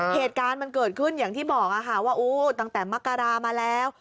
เหตุการณ์มันเกิดขึ้นอย่างที่บอกค่ะว่าโอ้ตั้งแต่มกรามาแล้ว